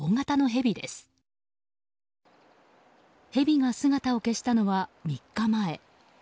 ヘビが姿を消したのは３日前。